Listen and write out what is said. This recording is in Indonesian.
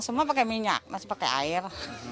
semua pakai minyak masih pakai air